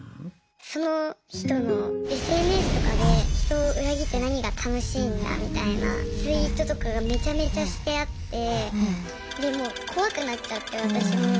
その人のＳＮＳとかで人を裏切って何が楽しいんだみたいなツイートとかがめちゃめちゃしてあってでもう怖くなっちゃって私も。